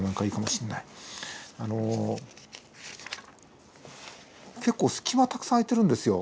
あの結構隙間たくさん空いてるんですよ。